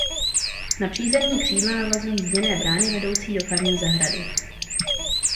Na přízemní křídla navazují zděné brány vedoucí do farní zahrady.